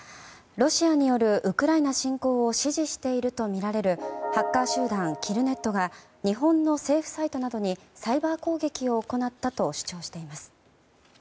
ロシアによるウクライナ侵攻を支持しているとみられるハッカー集団キルネットが日本の政府サイトなどにサイバー攻撃を行ったと主張しています。